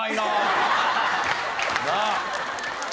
なあ。